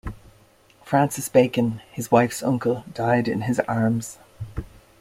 Francis Bacon, his wife's uncle, died in his arms.